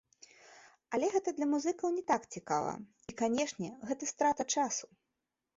Але гэта для музыкаў не так цікава, і, канешне, гэта страта часу.